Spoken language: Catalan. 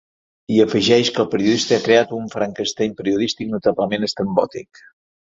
I afegeix que el periodista ha creat un ‘Frankestein periodístic notablement estrambòtic’.